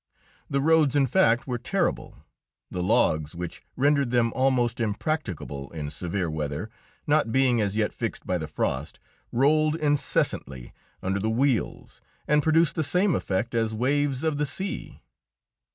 The roads, in fact, were terrible; the logs, which rendered them almost impracticable in severe weather, not being as yet fixed by the frost, rolled incessantly under the wheels, and produced the same effect as waves of the sea.